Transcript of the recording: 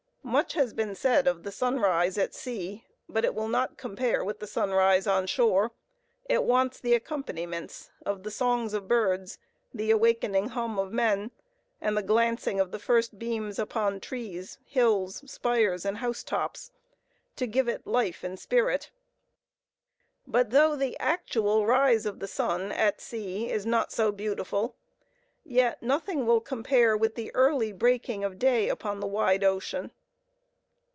Much has been said of the sunrise at sea; but it will not compare with the sunrise on shore. It wants the accompaniments of the songs of birds, the awakening hum of men, and the glancing of the first beams upon trees, hills, spires, and house tops, to give it life and spirit. But though the actual rise of the sun at sea is not so beautiful, yet nothing will compare with the early breaking of day upon the wide ocean.